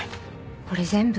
これ全部？